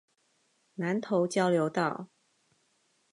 南投交流道